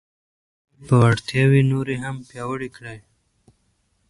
خپلې وړتیاوې نورې هم پیاوړې کړئ.